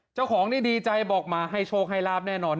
เจ้าของนี่ดีใจบอกมาให้โชคให้ลาบแน่นอน